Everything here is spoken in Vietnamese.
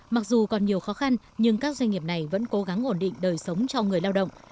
mặc dù còn nhiều khó khăn nhưng các doanh nghiệp này vẫn cố gắng ổn định đời sống cho người lao động